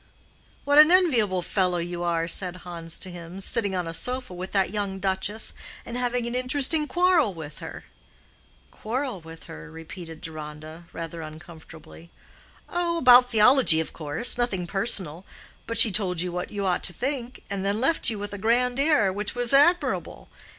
"What an enviable fellow you are," said Hans to him, "sitting on a sofa with that young duchess, and having an interesting quarrel with her!" "Quarrel with her?" repeated Deronda, rather uncomfortably. "Oh, about theology, of course; nothing personal. But she told you what you ought to think, and then left you with a grand air which was admirable.